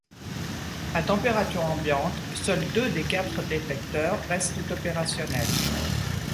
À température ambiante seuls deux des quatre détecteurs restent opérationnels.